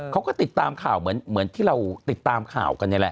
เขาก็ติดตามข่าวเหมือนที่เราติดตามข่าวกันนี่แหละ